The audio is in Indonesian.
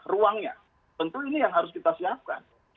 ruangnya tentu ini yang harus kita siapkan